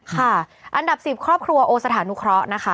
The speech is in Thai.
ค่ะอันดับ๑๐ครอบครัวโอสถานุเคราะห์นะคะ